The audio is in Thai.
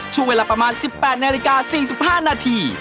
ช่วงเวลาประมาณ๑๘นาฬิกา๔๕นาที